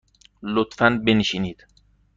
لطفاً بنشینید.